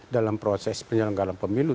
dalam proses penyelenggara pemilu